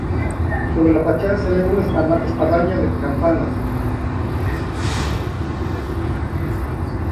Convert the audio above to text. Sobre la fachada se eleva una espadaña de campanas.